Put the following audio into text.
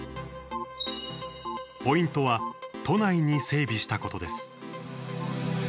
ポイントは都内に整備したことです。